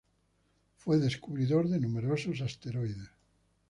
Fue descubridor de numerosos asteroides.